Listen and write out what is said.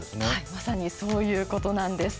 まさにそういうことなんです。